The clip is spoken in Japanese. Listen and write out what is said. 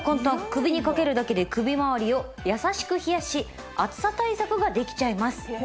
首にかけるだけで首まわりを優しく冷やし暑さ対策ができちゃいます。